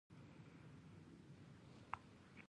منی د افغانستان د ښاري پراختیا سبب کېږي.